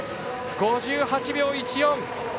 ５８秒１４。